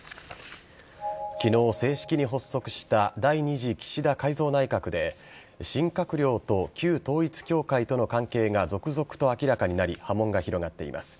昨日、正式に発足した第２次岸田改造内閣で新閣僚と旧統一教会との関係が続々と明らかになり波紋が広がっています。